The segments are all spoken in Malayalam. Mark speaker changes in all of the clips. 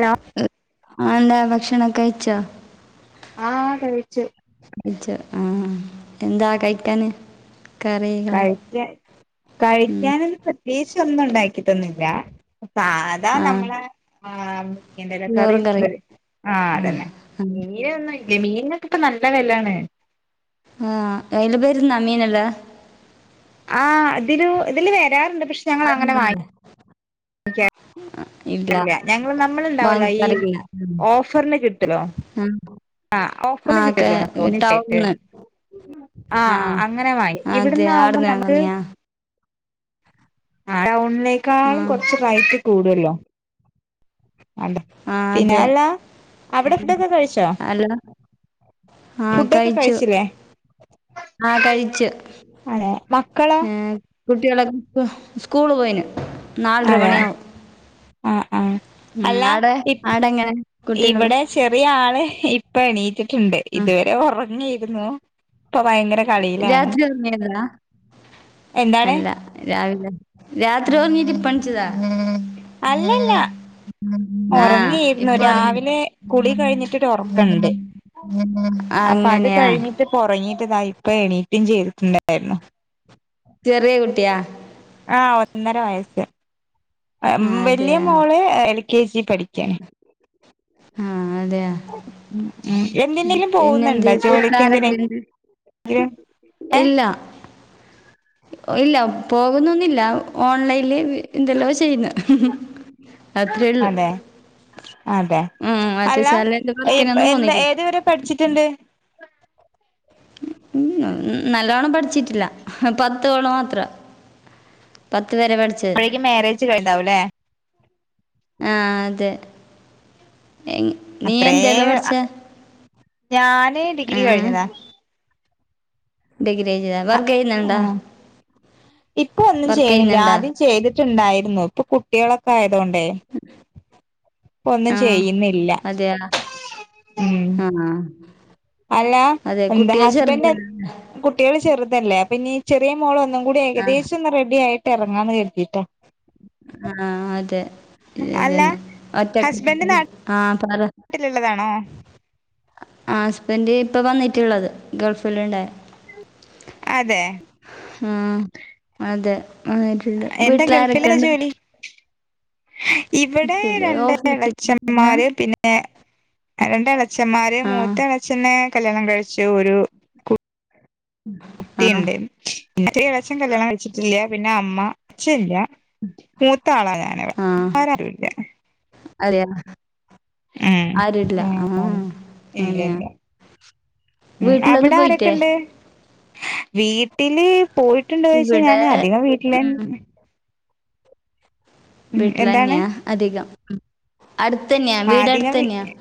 Speaker 1: ഹലോ
Speaker 2: ആ ഡാ ഭക്ഷണം കഴിച്ചോ
Speaker 1: ആഹ് കഴിച്ചു
Speaker 2: കഴിച്ച ആഹ് എന്താ കഴിക്കാന് കറികള്
Speaker 1: കഴിക്കാ
Speaker 2: ഉം.
Speaker 1: കഴിക്കാനൊന്ന് പ്രത്യേകിച്ച് ഒന്നും ഉണ്ടാക്കി തന്നില്ല സാധാ
Speaker 2: ആ
Speaker 1: നമ്മളെആ ഇതല്ലകറി
Speaker 2: ചോറും കറി
Speaker 1: [unintelligible] ആഹ്
Speaker 2: ആ
Speaker 1: അതന്നെ
Speaker 2: ആ.
Speaker 1: മീനൊന്നും ഇല്ലേ മീനൊക്കെ ഇപ്പ നല്ല വിലാണ്
Speaker 2: ആഹ് അയില പേര്ന്ന മീനല്ലേ [inaudible]
Speaker 1: അഹ് അതില് ഇതില് വരാറുണ്ട് പക്ഷെ
Speaker 2: വരുന്നുണ്ട്
Speaker 1: ക്കെ
Speaker 2: ഇല്ല
Speaker 1: അല്ല ഞങ്ങള് നമ്മളുണ്ടാവലോ ഈ
Speaker 2: വാങ്ങിക്കാറില്ല
Speaker 1: ഓഫറിന് കിട്ടലോ
Speaker 2: ഉം ആഹ് ഒക്കെ
Speaker 1: നമുക്ക് ഒന്നിച്ചായിട്ട്
Speaker 2: ടൗൺ ആഹ്
Speaker 1: അങ്ങനെ വാങ്ങി
Speaker 2: അതെ
Speaker 1: ഇവിടുന്ന് ആവുമ്പോ നമുക്ക്
Speaker 2: ആടുന്നങ്ങനിയാ
Speaker 1: ആ
Speaker 2: ആ
Speaker 1: ടൗണിലേക്കാളും കൊറച്ച് റൈറ്റ് കൂടുല്ലോ
Speaker 2: ആഹ്
Speaker 1: പിന്നെ
Speaker 2: അതെ
Speaker 1: അല്ല അവിടെ ഫുഡൊക്കെ കഴിച്ചോ
Speaker 2: ഹലോ ആഹ്
Speaker 1: ഫുഡൊക്കെ
Speaker 2: കഴിച്ചു
Speaker 1: കഴിച്ചില്ലേ
Speaker 2: ആഹ് കഴിച്ചു
Speaker 1: അതെ മക്കളോ
Speaker 2: ഏ കുട്ട്യായൊക്കെ ഇപ്പൊ സ്കൂള് പോയിന് നാലര
Speaker 1: അതെ
Speaker 2: മണിയാവും
Speaker 1: ആഹ് ആഹ്
Speaker 2: ഉം,
Speaker 1: അല്ല
Speaker 2: ആടെ
Speaker 1: ഇപ്പ
Speaker 2: ആടെ എങ്ങനെ കുട്ടികള്
Speaker 1: ഇവിടെ ചെറിയ ആള് ഇപ്പൊ എണീറ്റിട്ടുണ്ട്
Speaker 2: ആ
Speaker 1: ഇതുവരെ ഒറങ്ങായിരുന്നു ഇപ്പൊ ഭയങ്കര കളിയിലാണ്
Speaker 2: രാത്രി ഒറങ്ങിനില്ല
Speaker 1: എന്താണ്
Speaker 2: അല്ല രാവിലെ രാത്രി ഒറങ്ങിട്ട് ഇപ്പൊ എണിച്ചതാ
Speaker 1: അല്ലല്ല
Speaker 2: ആഹ്
Speaker 1: ഒറങ്ങായിരുന്നു
Speaker 2: ഇപ്പൊ ഉറങ്ങി
Speaker 1: രാവിലെ കുളി കഴിഞ്ഞിട്ടൊരു ഒറക്കണ്ട്
Speaker 2: ഉം അങ്ങനെയാ
Speaker 1: ഉറങ്ങിട്ടിതാ ഇപ്പൊ എണീക്കും ചെയ്തിട്ടുണ്ടായിരുന്നു
Speaker 2: ചെറിയ കുട്ടിയാ
Speaker 1: ആഹ് ഒന്നര വയസ്
Speaker 2: ആഹ്
Speaker 1: വലിയ
Speaker 2: അതെയാ
Speaker 1: മോള് എൽ കെ ജി പഠിക്കാണ്
Speaker 2: ആഹ് അതെയ
Speaker 1: ഉം ഉം എൻ
Speaker 2: പിന്നെ എന്ത്യേ വീട്ടാരൊക്കെണ്ട്
Speaker 1: ഏഹ്
Speaker 2: ഇല്ലാ ഇല്ല പോകുന്നൊന്നില്ല ഓൺലൈനിൽ എന്തെല്ലോ ചെയ്യുന്നു അത്രേള്ളു
Speaker 1: അതെ അതെ അല്ല
Speaker 2: ശാലേന്റെ
Speaker 1: ഏ
Speaker 2: വർക്കിനൊന്നും
Speaker 1: എന്താ
Speaker 2: പോന്നില്ല
Speaker 1: ഏത് വരെ പഠിച്ചിട്ടുണ്ട്
Speaker 2: ഉം ഉം മം നല്ലവോണം പഠിച്ചിട്ടില്ല പത്തോള്ളോം മാത്രം പത്ത് പരെ പഠിച്ച്
Speaker 1: അപ്പോയെക്കും മാരേജ് കഴിഞ്ഞിണ്ടാവല്ലേ
Speaker 2: ആഹ് അതെ എൻ
Speaker 1: അത്രേ ഞാന് ഡിഗ്രി കഴിഞ്ഞതാ
Speaker 2: ഡിഗ്രി കഴിഞ്ഞതാ വർക്ക് ചെയ്യുന്നുണ്ടോ
Speaker 1: ആഹ് ഇപ്പൊ ഒന്നും ചെയ്യണില്ല ആദ്യം ചെയ്തിട്ടുണ്ടായിരുന്നു ഇപ്പൊ കുട്ടികളൊക്കെ ആയതുകൊണ്ടേ ഒന്നും
Speaker 2: ആ
Speaker 1: ചെയ്യുന്നില്ല ഉം
Speaker 2: ആഹ്
Speaker 1: അല്ലാഎന്താ ഹസ്ബന്റ്
Speaker 2: ചെറുതല്ലേ
Speaker 1: കു കുട്ട്യാള് ചെറുതല്ലേ പിന്നെ ഈ ചെറിയ മോള് ഒന്നും കൂടി
Speaker 2: ആ
Speaker 1: ഏകദേശം ഒന്ന് റെഡി ആയിട്ട് ഇറങ്ങാന്ന് കരുതിയിട്ടാ.
Speaker 2: ആഹ് അതെ
Speaker 1: അല്ല
Speaker 2: ഇതന്നെ ഒറ്റക്ക ആഹ് പറ.
Speaker 1: വീട്ടിലുള്ളതാണോ
Speaker 2: ആഹ് ഹസ്ബൻഡ് ഇപ്പൊ വന്നിട്ടുള്ളത് ഗൾഫിൽണ്ടായ
Speaker 1: അതെ
Speaker 2: ആഹ് അതെ ആരുല്ല
Speaker 1: എന്താ ഗൾഫിലെന്താ
Speaker 2: വീട്ടിലാരൊക്കെണ്ട്
Speaker 1: ജോലി ഇവിടെ
Speaker 2: പിന്നെ
Speaker 1: രണ്ട്
Speaker 2: ഓഫീസിൽ ഏ?
Speaker 1: എളച്ചന്മാര് പിന്നെ രണ്ട് അളച്ചന്മാര്
Speaker 2: ആ
Speaker 1: മൂത്ത അളച്ചനെ കല്യാണം കഴിച്ചു ഒരു
Speaker 2: ആ
Speaker 1: കുട്ടിയുണ്ട് മറ്റേ ഇളയച്ഛൻ കല്യാണം കഴിച്ചിട്ടില്ല പിന്നെ അമ്മ അച്ഛല്ല മൂത്ത ആളാ ഞങ്ങള്
Speaker 2: ആ
Speaker 1: വേറാരുല്ല.
Speaker 2: അതെയാ
Speaker 1: ആഹ്
Speaker 2: ആരുല്ല ആ
Speaker 1: ആഹ് ഇല്ല
Speaker 2: അങ്ങനെയാ
Speaker 1: ഇല്ല ഉം
Speaker 2: വീട്ടിലൊന്ന് പോയിട്ടേ
Speaker 1: അവിടാരൊക്കെണ്ട് വീട്ടില് പോയിട്ടുണ്ടോ വെച്ചാ
Speaker 2: ഇവിടെ
Speaker 1: ഞാന് അധികം വീട്ടിലെന്നെ ഉം എന്താണ്
Speaker 2: വീട്ടിലെന്നെയാ അധികം അടുത്തന്നെയ
Speaker 1: ആഹ് അധിക വിട്ടില്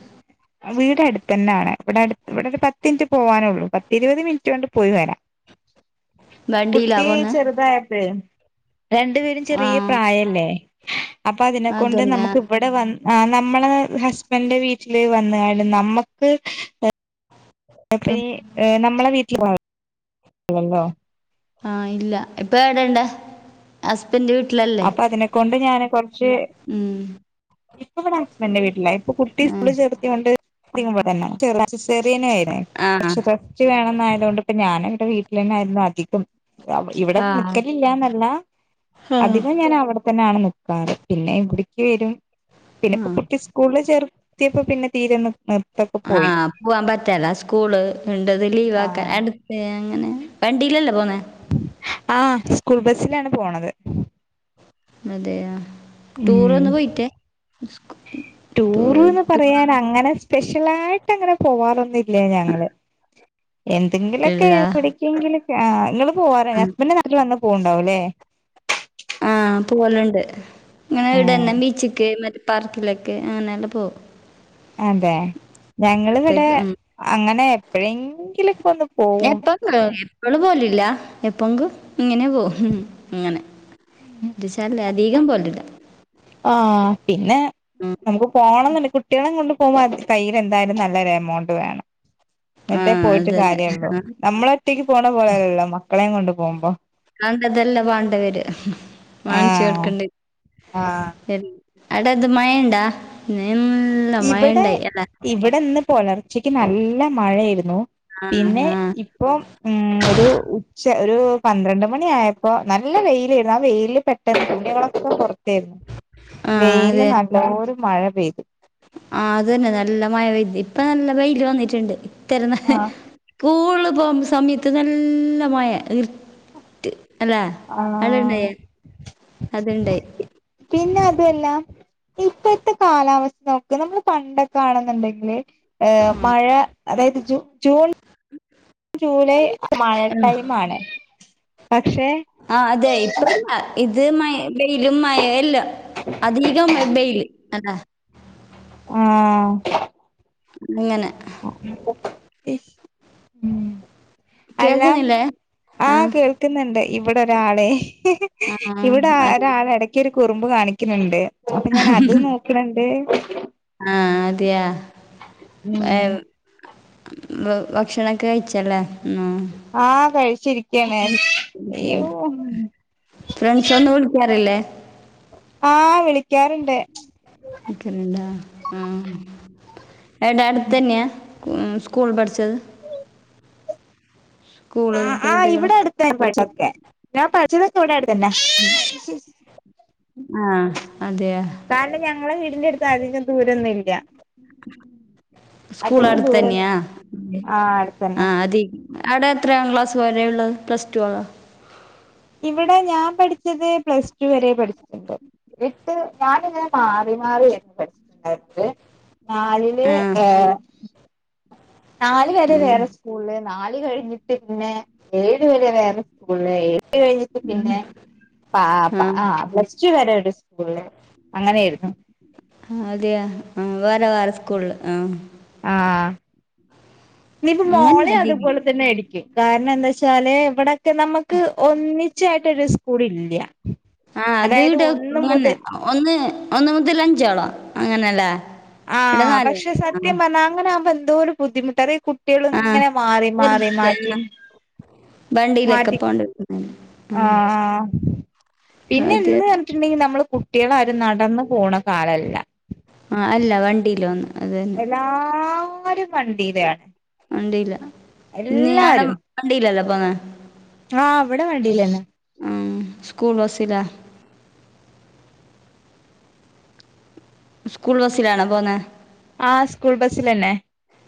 Speaker 1: വീട് അടുത്തെന്നെയാണ് ഇവിടെ ഇവിടെ ഒരു പത്ത് മിനിറ്റ് പോവാനുള്ളൂ പത്തിരുപത് മിനിറ്റ് കൊണ്ട് പോയി വരാം.
Speaker 2: വണ്ടിയിലാ
Speaker 1: കുട്ടി
Speaker 2: പോന്നെ
Speaker 1: ചെറുതായപ്പഴേ രണ്ടുപേരും
Speaker 2: ആ
Speaker 1: ചെറിയ പ്രായല്ലേ അപ്പൊ അതിനെക്കൊണ്ട്
Speaker 2: അതന്നെ
Speaker 1: നമുക്ക് ഇവിടെ വ ആഹ നമ്മള ഹസ്ബൻന്റെ വീട്ടില് വന്ന്കണ്ട് നമ്മക്ക്
Speaker 2: ഉം
Speaker 1: അപ്പയീ നമ്മളെ വീട്ടിൽ വളർന്ന ല്ലല്ലോ
Speaker 2: ആഹ് ഇല്ല ഇപ്പ എവിടെണ്ട് ഹസ് എന്റെ വീട്ടിലല്
Speaker 1: അപ്പൊ അതിനെക്കൊണ്ട് ഞാന് കൊറച്ച്
Speaker 2: ഉം
Speaker 1: ഇപ്പ ഇവിട ഹുസ്ബൻഡ്ന്റ വീട്ടിലായി. പ്പ കുട്ടി
Speaker 2: ആ
Speaker 1: സ്കൂള് ചേർത്തിയോണ്ട് ഇങ്ങുമ്പോ തന്നെ ചെറ സെസറിയൻ അയിനാ
Speaker 2: ആ
Speaker 1: പക്ഷ ട്ടി വേണം നായൊണ്ട് കൊണ്ട് ഇപ്പ ഞാന ഇവിടെ വീട്ടിൽന്നായിരുന്നു അധികം ഇവിടെ
Speaker 2: ആ
Speaker 1: നിക്കലില്ല എന്നല്ല അധികം ഞാൻ അവിടെ തന്നെ ആണ് നിക്കാറ് പിന്നെ ഇവിടക്ക് വരും. പിന്നെ
Speaker 2: ആ
Speaker 1: ഇപ്പ കുട്ടി സ്കൂളി ചേർത്തിയപ്പോ പിന്നെ തീരെന്ന് നിർത്തൊക്കെ പോയി.
Speaker 2: പോകാൻ പറ്റെല സ്കൂള് ഉണ്ടത് ലീവ്
Speaker 1: ആ
Speaker 2: ആക്കാൻ അടുത്ത് അങ്ങനെ വണ്ടില്ലല്ലേ പോന്നേ.
Speaker 1: ആഹ് സ്കൂൾ ബസിലാണ് പോണത്.
Speaker 2: അതെയൊ. ടൂർ
Speaker 1: ഉം
Speaker 2: ഒന്ന് പോയിട്ടേ ടൂ
Speaker 1: ടൂറ്ന്ന് പറയാൻ അങ്ങനെ സ്പെഷ്യലായിട്ട് അങ്ങനെ പോവാറൊന്നുല്ല ഞങ്ങള് എന്തെങ്കിലൊക്കെ
Speaker 2: ഇല്ല
Speaker 1: എവിടെ ക്കെങ്കിലൊക്കെ ആഹ നിങ്ങള് പോവാറ
Speaker 2: ആ
Speaker 1: ഹസ്ബന്ഡന്റെ നാട്ടിൽ വന്ന പോവുണ്ടാവ അല്ലേ
Speaker 2: ആഹ പോവലുണ്ട് അങ്ങനെ ഇവിടെ
Speaker 1: ആഹ്
Speaker 2: തന്നെ ബീച്ചിക്ക് മറ്റേ പാർക്കിലൊക്ക് അങ്ങനെല്ലാം പോകും.
Speaker 1: അതെ ഞങ്ങള് വിടെ
Speaker 2: ഉം
Speaker 1: അങ്ങനെ. എപ്പഴെങ്കിലുംക്കെ ഒന്ന് പോകും.
Speaker 2: ങ്ങെള് പോലില്ല എപ്പോങ്കും ഇങ്ങനെ പോവും അങ്ങനെ. എന്താച്ചാൽ അധികം പോവലില്ല.
Speaker 1: ആഹ് പിന്നെ
Speaker 2: ഉം
Speaker 1: നമുക്ക് പോണം എന്ന്‌ണ്ടേ കുട്ടികളേം കൊണ്ട് പോവാൻ കയ്യിൽ എന്തായാലും നല്ലൊരു എമൗണ്ട് വേണം.
Speaker 2: ആ
Speaker 1: ന്ന്‌ട്ടേ പോയിട്ട്
Speaker 2: അതന്നെ
Speaker 1: കാര്യള്ളൂ
Speaker 2: ആ
Speaker 1: നമ്മള ഒറ്റയ്ക്ക് പോണ പോലെയല്ലല്ലോ മക്കളെയും കൊണ്ട് പോകുമ്പോ.
Speaker 2: കണ്ടതെല്ല വാണ്ടവേര വാങ്ങിച്ചു
Speaker 1: ആഹ്
Speaker 2: കൊടുക്കണ്ടി
Speaker 1: ആഹ്
Speaker 2: വരും. അടത് മൈണ്ടാ നല്ല
Speaker 1: ഇവിടെ
Speaker 2: മൈണ്ടായി എല്ല
Speaker 1: ഇവിടെ ഇന്ന് പുലർച്ചക്ക് നല്ല മഴായിരുന്നു
Speaker 2: ആ
Speaker 1: പിന്നെ
Speaker 2: ആ
Speaker 1: ഇ ഇപ്പം ഒരു ഉച്ച ഒരു പന്ത്രണ്ട് മണിയായപ്പോ നല്ല വെയിലായിരുന്നു ആഹ വെയില് പെ പെട്ടെന്ന് തുണികളൊക്കെ പുറത്തെയിരുന്നു
Speaker 2: ആ
Speaker 1: വെയില് നല്ലരു മഴ പെയ്തു
Speaker 2: ആഹ അത് തന്നെ നല്ല മഴ പെയ്തി ഇപ്പൊ നല്ല വെയില് വന്നിട്ടുണ്ട് ഇത്തരം ന
Speaker 1: ആഹ്
Speaker 2: സ്കൂളില് പോകുന്ന സമയത്ത് നല്ല മഴയാ അല്ലേ അടെണ്ടായ
Speaker 1: ആഹ്
Speaker 2: അത്ണ്ടായി
Speaker 1: പിന്നെ അതൊല്ല ഇപ്പഴത്തെ കാലാവസ്ഥ നോക്ക നമ്മള് പണ്ടൊക്കെ ആണെന്നുണ്ടെങ്കില് ഏഹ് മഴ അതായത് ജൂ ജൂൺ ജൂലൈ മഴ ടൈം ആണ് പക്ഷെ
Speaker 2: ആഹ അതെ ഇത്രെയും മ ഇത് മഴ ബെയിലും മയ എല്ലാം അധികം ബെയില് അല്ല
Speaker 1: ആഹ്
Speaker 2: അങ്ങനെ
Speaker 1: ഉം അല്ലാം
Speaker 2: കേൾക്കുന്നില്ലേ ആ
Speaker 1: ആഹ് കേൾക്ക കേൾക്കുന്നുണ്ട് ഇവിടെ ഒരാളെ
Speaker 2: ആ അതെ
Speaker 1: ഇവടെഒരാളെ ഇടക് ക്ക്‌ ഒരു കുറുമ്പ് കാണിക്കുന്നുണ്ട് അപ്പൊ ഞാൻ അത് നോക്കണണ്ട്
Speaker 2: ആഹ് അതെയാ ഭക്ഷണം ഒക്കെ കഴിച്ചല്ലേ
Speaker 1: ആഹ് കഴിച്ചിരിക്കാണ് അയ്യോ
Speaker 2: ആ ഫ്രണ്ട്സ് ഒന്നു വിളിക്കാറില്ലേ
Speaker 1: ആഹ വിളിക്കാറുണ്ട്
Speaker 2: വിളിക്കണ്ടാ ആ എടാ അടുത്ത തന്നെയാ മം സ്കൂൾ പഠിച്ചത്
Speaker 1: ആ
Speaker 2: സ്കൂളിലത്തെ
Speaker 1: ആഹ്
Speaker 2: കുട്ടികൾ
Speaker 1: ഇവിടെ അടുത്തൻ പഠിച്ചക്കെ ഞാൻ പഠിച്ചതൊക്കെ ഇവിടെ അടുത്തന്നെ
Speaker 2: ആഹ് അതെയ
Speaker 1: കാരണം ഞങ്ങളെ വീടിന്റെടുത്ത് അധികം ദൂരൊന്നു ഇല്ല
Speaker 2: സ്കൂൾ
Speaker 1: അധികം
Speaker 2: അടുത്ത്
Speaker 1: ദൂരം
Speaker 2: തന്നിയാ
Speaker 1: ആഹ് അടുത്തന്നെ
Speaker 2: ആഹ് അതി അവിടെ എത്രയാ ക്ലാസ് വരെയുള്ള് പ്ലസ്ടുവാ
Speaker 1: ഇവിടെ ഞാൻ പഠിച്ചത് പ്ലസ് ടു വരെ പഠിച്ചിട്ടുണ്ട് എട്ട് ഞാനിങ്ങനെ മാറി മാറിയ പഠിച്ചിട്ടുണ്ടായിരുന്നത് നാലില്
Speaker 2: ആ
Speaker 1: ഏഹ് നാല് വരെ
Speaker 2: ആ,
Speaker 1: വേറെ സ്കൂളില് നാല് കഴിഞ്ഞിട്ട് പിന്നെ ഏഴ് വരെ വേറെ സ്കൂളെ എഴ് കഴിഞ്ഞിട്ട് പിന്നെ ആഹ്
Speaker 2: ആ
Speaker 1: പ പ്ലസ് ടു വരെ ഒരു സ്കൂളില് അങ്ങനെയിരുന്നു
Speaker 2: ആഹ് അതെയ ആ വേറെ വേറെ സ്കൂളില് ആഹ്
Speaker 1: ആഹ് ഇനിയിപ്പ
Speaker 2: അങ്ങനെ
Speaker 1: മോളെ
Speaker 2: അധികം
Speaker 1: അതുപോലെ തന്നെ ആരിക്കും കാരണ എന്താ ച്ചാല് ഇവിടെ ക്കെ നമുക്ക് ഒന്നിച്ചായിട്ടൊരു സ്കൂൾ ഇല്ല
Speaker 2: ആഹ്
Speaker 1: അതായത്
Speaker 2: അത്ട
Speaker 1: ഒന്ന്
Speaker 2: അങ്ങനെ
Speaker 1: മുതൽ
Speaker 2: ഒന്ന് ഒന്ന് മുതൽ അഞ്ചോളോ അങ്ങനെല്ലേ
Speaker 1: ആഹ് പക്ഷെ സത്യം പറഞ്ഞാ അങ്ങനെ ആകുമ്പോ എന്തോരു ബുദ്ധിമുട്ട് അതേയ് കുട്ടി കുട്ടിള്
Speaker 2: ആ
Speaker 1: ഇങ്ങനെ മാറി മാറി
Speaker 2: ചെറുത്
Speaker 1: മാറ്റും
Speaker 2: ആ വണ്ടിയിലൊക്കെ
Speaker 1: മാറ്റി
Speaker 2: പോകേണ്ടി വരുന്നതല്ലേ ഉം.
Speaker 1: ആഹ ആഹ് പിന്നെ
Speaker 2: ഇത്
Speaker 1: എന്ത് പറഞ്ഞിട്ടുണ്ടെങ്കിൽ നമ്മള് കുട്ടികൾ ആര് നടന്നു പോണ കാലല്ല
Speaker 2: ആ അല്ല വണ്ടിയില വന്ന് അത് തന്നെ
Speaker 1: എല്ലാരും വണ്ടിലാണ്
Speaker 2: ഉണ്ടല്ല ഞട വണ്ടില്ലല്ലോ പോന്നാ വണ്ടിയിൽ അല്ലെ പോകുന്നെ
Speaker 1: ആഹ് അവിടെ വണ്ടീല്ലാന്നെ
Speaker 2: ആഹ് സ്കൂൾ ബസില സ്കൂൾ ബസ്സിലാണോ പോന്നേ
Speaker 1: ആഹ് സ്കൂൾ ബസ്സിലന്നെ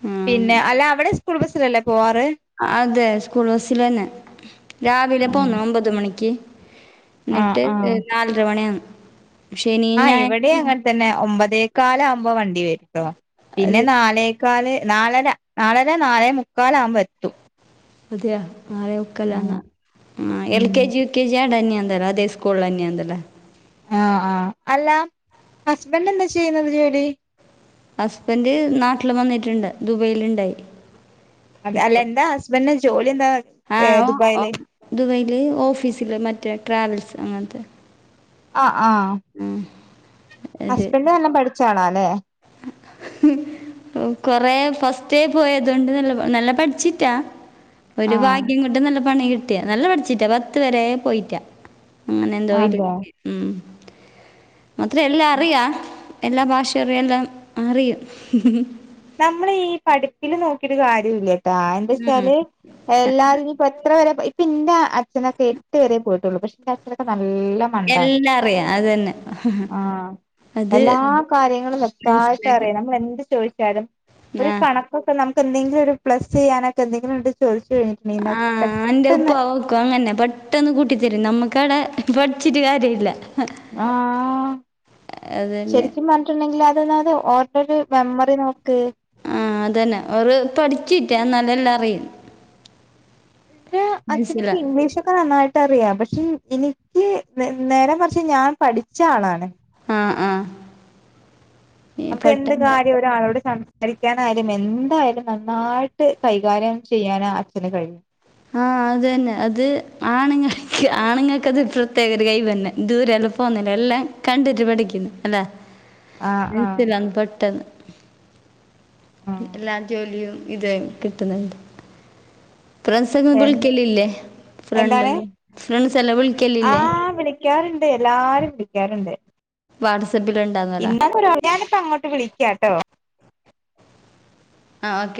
Speaker 2: ഉം.
Speaker 1: പിന്നെ അല്ല അവിടെ സ്കൂൾ ബസ്സിലല്ലേ പോവാറ്
Speaker 2: അതെ സ്കൂൾ ബസ്സിൽ തന്നെ രാവിലെ പോന്നു ഒമ്പത് മണിക്ക്
Speaker 1: ആ
Speaker 2: എന്നിട്ട്
Speaker 1: ആ
Speaker 2: നാലര മണിയ
Speaker 1: ആ ഇവിടെ അങ്ങനെ തന്നെ ഒമ്പതേക്കാാല ആകുമ്പോ വണ്ടി വരുട്ടോ പിന്നെ
Speaker 2: അതെയാ
Speaker 1: നാലേ മുക്കാല് നാലര നാാലര നാലേ മുക്കാല ആവുമ്പോ എത്തും
Speaker 2: അതെയ ആക്കല്ല ആ എൽ
Speaker 1: ഉം
Speaker 2: കെ ജി യു കെ ജിയ ഡന്നി തരാ അതെ കൊള്ള തന്നെയാന്തല്ലേ
Speaker 1: ആ ആഹ് അല്ല ഹസ്ബൻഡ് എന്താ ചെയ്യുന്നത് ജോലി
Speaker 2: ഹസ്ബൻഡ് നാട്ടിൽ വന്നിട്ടുണ്ട് ദുബൈൽുണ്ടായി
Speaker 1: അതെ അല്ല എന്താ ഹസ്ബന്ഡന് ജോലി എന്താ ദുബായില
Speaker 2: ദുബൈൽ ഓഫീസില് മറ്റേ ട്രാവൽസ് അങ്ങനത്തെ
Speaker 1: ആ ആഹ
Speaker 2: ആ അത്
Speaker 1: ഹസ്ബൻഡ് നല്ലാം പഠിച്ചാളാ അല്ലേ
Speaker 2: [inaudible] ഓ കൊറേ ഫസ്റ്റ് പോയതൊണ്ട് നല്ല നല്ല പഠിച്ചിട്ടാ ഒരു
Speaker 1: ആഹ്
Speaker 2: ഭാഗ്യം കൊണ്ടും നല്ല പണി കിട്ടിയ നല്ല പഠിച്ചിറ്റാ പത്ത് വരെ പോയിറ്റാ അങ്ങനെ എന്തോയിട്ട
Speaker 1: അതെ
Speaker 2: ഉ മാത്ര എല്ലാം അറിയാം എല്ലാ ഭാഷയുംറിയ എല്ലാം അറിയും
Speaker 1: നമ്മള് ഈ പഠിപ്പില് നോക്കിരു കാര്യല്ലട്ടാ എന്താ വച്ചാല് എല്ലാവാരും ഇപ്പ എത്ര പരെ ഇപ്പ എന്റെ അച്ഛനൊക്കെ എട്ട് പേേ പോയിട്ടുള്ളൂ പക്ഷെ എന്റെ അച്ഛനൊക്കെ നല്ല മണ്ടാണ്
Speaker 2: എല്ലാം അറിയാം അത് തന്നെ
Speaker 1: ആഹ് എല്ലാ
Speaker 2: അത്
Speaker 1: കാര്യങ്ങളും വെക്തായിട്ട്
Speaker 2: മനസ്സിലായി
Speaker 1: അറിയാം നമ്മൾ എന്ത് ചോദ എാലും ഒരു
Speaker 2: ആഹ്
Speaker 1: കണക്കൊക്കെ നമുക്ക് എന്തെങ്കിലും ഒരു പ്ലസ് ചെയ്യാനൊക്കെ എന്തെങ്കിലും ചോദിച്ചു കഴിഞ്ഞിട്ട്
Speaker 2: ആഹ് എന്റെ ഉപ്പ ക്ക അങ്ങനെ പെട്ടെന്ന് കൂട്ടിത്തരും നമ്മുക്ക അവിടെ പഠിച്ചിട്ട് കാര്യ ഇല്ല
Speaker 1: ആഹ്
Speaker 2: അതന്നെ
Speaker 1: ശരിക്കും പറഞ്ഞ ണ്ടെങ്കിൽ അതന്നത് ഓരോരു മെമ്മറി നോക്ക്
Speaker 2: ആഹ് അതന്നെ ഒരു പഠിച്ചിട്ടാ നല്ല എല്ലാം അറിയുന്നു
Speaker 1: എന്റെ അച്ഛനൊക്കെ
Speaker 2: മനസ്സിലാ
Speaker 1: ഇംഗ്ലീഷൊക്കെ നന്നായിട്ട് റിയാം പക്ഷെ എനിക്ക് നേരം കുറച്ച് ഞാൻ പഠിച്ച ആളാണ്
Speaker 2: ആഹ് ആഹ് ഈ
Speaker 1: നമുക്ക് എന്ത്
Speaker 2: പെട്ടെന്ന്
Speaker 1: കാര്യ ആളോട് സംസാരിക്കാനായാലും എന്തായാലും നന്നായിട്ട് കൈകാര്യം ചെയ്യാന് അച്ഛന് കഴിയും [inaudible]
Speaker 2: അതു തന്നെ അത് ആണുങ്ങൾക്ക് ആണുങ്ങൾക്ക അത് ഇ പ്രത്യേക ഒരു കൈ പിന്നെ ദൂരെ എല്ലാം പോകുന്നില്ല എല്ലാം കണ്ടിട്ട് പഠിക്കുന്നു അല്ലെ
Speaker 1: [inaudible] ആഹ്
Speaker 2: മനസല്ലന്ന് പെട്ടെന്ന് എല്ലാ ജോലിയും ഇത കിട്ടുന്നുണ്ട് [unintelligible]
Speaker 1: എ എന്താണ്
Speaker 2: ഫ്രണ്ടല്ലോ ഫ്രസല്ല ബിൽക്ക ഇല്ലേ
Speaker 1: ആഹ് വിളിക്കാറുണ്ട് എല്ലാരും വിളിക്കാറുണ്ട്
Speaker 2: വാർസ [unintelligible]
Speaker 1: ഇന്നൊന്ന ഞാനിപ്പ അങ്ങോട്ട് വിളിക്ക കേട്ടോ
Speaker 2: ആഹ് ഓക്കെ